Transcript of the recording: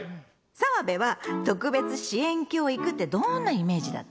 澤部は特別支援教育ってどんなイメージだった？